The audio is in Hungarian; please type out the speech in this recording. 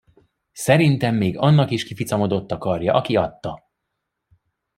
Szerintem még annak is kificamodott a karja, aki adta.